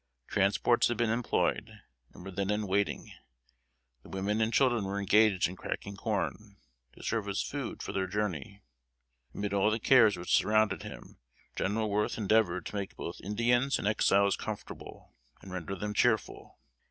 Transports had been employed, and were then in waiting. The women and children were engaged in cracking corn, to serve as food for their journey. Amid all the cares which surrounded him, General Worth endeavored to make both Indians and Exiles comfortable, and render them cheerful.